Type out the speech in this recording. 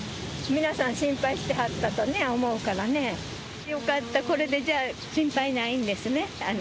皆さん、心配してはったと思うかよかった、これでじゃあ、心配ないんですね。